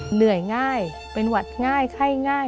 เหนื่อยง่ายเป็นหวัดง่ายไข้ง่าย